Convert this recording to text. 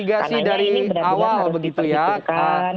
karena ini berat berat harus diperhitungkan